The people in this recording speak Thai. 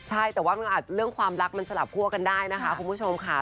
ใช่แต่ว่าเรื่องความรักมันสลับคั่วกันได้นะคะคุณผู้ชมค่ะ